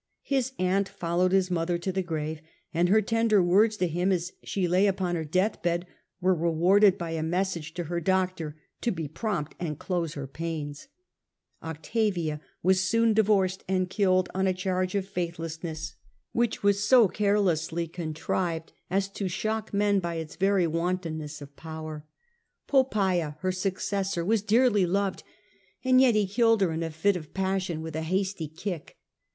His aunt victims were followed his mother to the grave, and her of higher^ tender words to him as she lay upon her deathbed were rewarded by a message to His aunt, her doctor to be prompt and close her pains, his wife Octavia was soon divorced and killed, on a charge of faithlessness, which was so carelessly Con trived as to shock men by its very wantonness of power. II2 The Earlier Empire, a. a 54 ^. Poppaea, iSurrhus, Poppaea, her successor, was dearly loved, and yet be killed her in a fit of passion with a hasty kick.